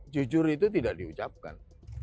jujur itu tidak diucapkan